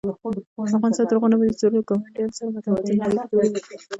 افغانستان تر هغو نه ابادیږي، ترڅو له ګاونډیانو سره متوازنې اړیکې جوړې نشي.